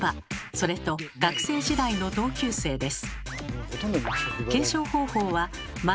それと学生時代の同級生です。